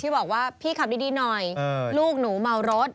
บอกว่าพี่ขับดีหน่อยลูกหนูเมารถ